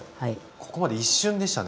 ここまで一瞬でしたね。